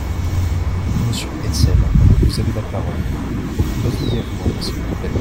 Monsieur Hetzel, vous avez la parole, brièvement s’il vous plaît.